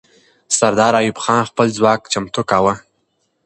سردار ایوب خان خپل ځواک چمتو کاوه.